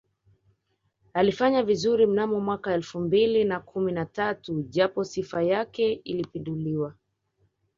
Alifanya vizuri mnamo mwaka elfu mbili na kumi na tatu japo Sifa yake ilipinduliwa